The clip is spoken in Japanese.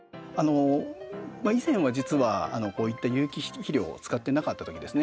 以前は実はこういった有機質肥料を使ってなかったときですね